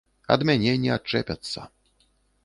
Ад мяне не адчэпяцца.